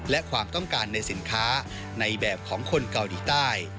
และความต้องการในสินค้าในแบบของคนเกาหลีใต้